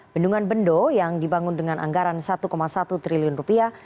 bendungan bendo yang dibangun dengan anggaran satu satu triliun rupiah